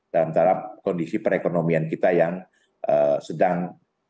dalam tahap kondisi perekonomian kita yang sedang